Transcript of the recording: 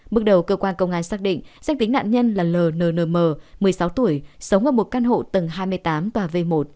bước đầu cơ quan công an xác định sách tính nạn nhân là l n n m một mươi sáu tuổi sống ở một căn hộ tầng hai mươi tám tòa v một